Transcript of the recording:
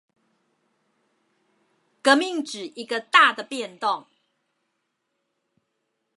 革命指一個大的變動